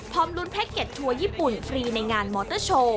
ลุ้นแพ็กเก็ตทัวร์ญี่ปุ่นฟรีในงานมอเตอร์โชว์